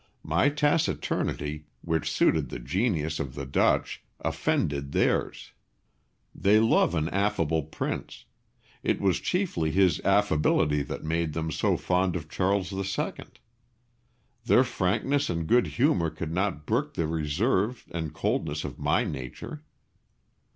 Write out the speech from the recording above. My taciturnity, which suited the genius of the Dutch, offended theirs. They love an affable prince; it was chiefly his affability that made them so fond of Charles II. Their frankness and good humour could not brook the reserve and coldness of my nature.